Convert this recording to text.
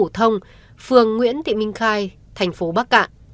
phổ thông phường nguyễn thị minh khai thành phố bắc cạn